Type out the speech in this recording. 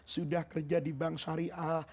sudah kerja di bank syariah